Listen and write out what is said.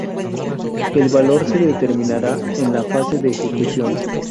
El valor se determinará en la fase de ejecución.